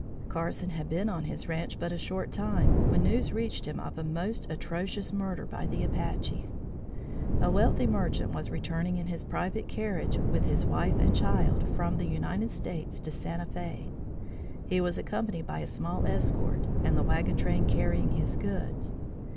Carson had been on his ranche but a short time, when news reached him of a most atrocious murder by the Apaches. A wealthy merchant was returning in his private carriage with his wife and child from the United States to Santa Fe. He was accompanied by a small escort and the wagon train carrying his goods.